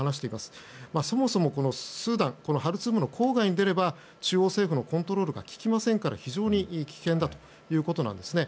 そもそもスーダンハルツーム郊外に出れば中央政府のコントロールが利きませんから非常に危険だということなんですね。